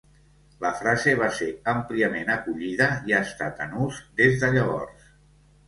La frase va ser àmpliament acollida i ha estat en ús des de llavors.